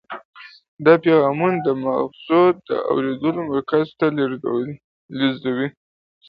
دا پیغامونه د مغزو د اورېدلو مرکز ته لیږدوي.